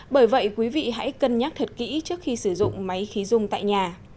bởi vậy quý vị hãy cân nhắc thật kỹ trước khi sử dụng máy khí dung tại nhà